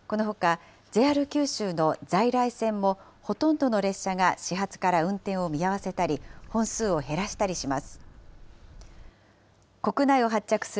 このほかＪＲ九州の在来線もほとんどの列車が始発から運転を見合わせたり、本数を減らしたりします。